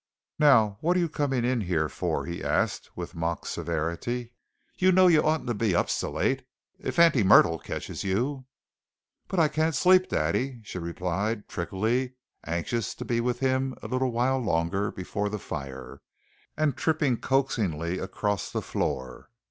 "Now what are you coming in here for?" he asked, with mock severity. "You know you oughn't to be up so late. If Auntie Myrtle catches you!" "But I can't sleep, Daddy," she replied trickily, anxious to be with him a little while longer before the fire, and tripping coaxingly across the floor.